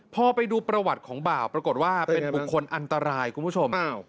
พอไปดูประวัติของบ่าวปรากฏว่าเป็นบุคคลอันตรายคุณผู้ชม